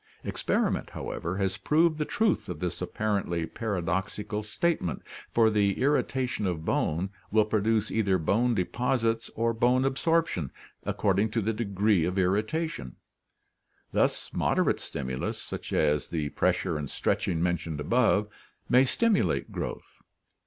Experiment, however, has proved the truth of this apparently paradoxical statement, for the irritation 188 ORGANIC EVOLUTION of bone will produce either bone deposits or bone absorption ac cording to the degree of irritation. Thus moderate stimulus, such as the pressure and stretching mentioned above, may stimulate growth.